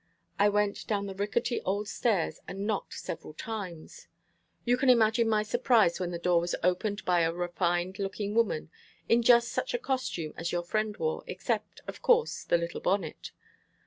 I went down the rickety old stairs and knocked several times. You can imagine my surprise when the door was opened by a refined looking woman, in just such a costume as your friend wore, except, of course, the little bonnet.